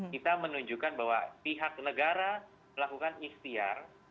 kita menunjukkan bahwa pihak negara melakukan ikhtiar